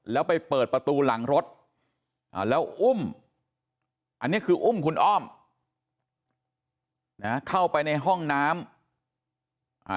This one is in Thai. แล้วไปเปิดประตูหลังรถอ่าแล้วอุ้มอันนี้คืออุ้มคุณอ้อมนะเข้าไปในห้องน้ำอ่า